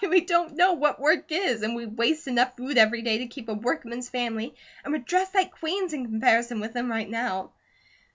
Why, we don't know what work is, and we waste enough food every day to keep a workman's family, and we're dressed liked queens, in comparison with them right now."